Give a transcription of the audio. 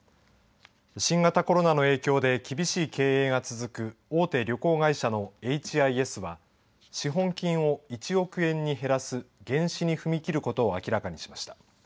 新型コロナの影響で厳しい経営が続く大手旅行会社のエイチ・アイ・エスは資本金を１億円に減らす減資に踏み切ることを明らかにしました。